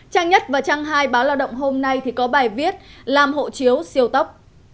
trang nhất và trang hai báo lao động hôm nay có bài viết làm hộ chiếu siêu tốc